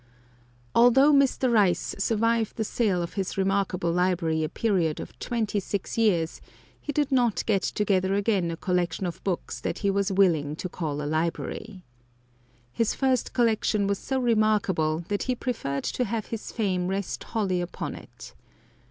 Although Mr. Rice survived the sale of his remarkable library a period of twenty six years, he did not get together again a collection of books that he was willing to call a library. His first collection was so remarkable that he preferred to have his fame rest wholly upon it.